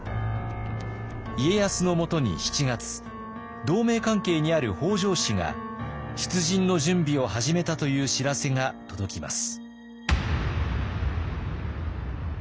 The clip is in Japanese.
家康のもとに７月同盟関係にある北条氏が出陣の準備を始めたという知らせが届きます。